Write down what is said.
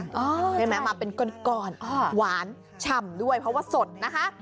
ใช่ไหมมาเป็นก้อนหวานฉ่ำด้วยเพราะว่าสดนะคะ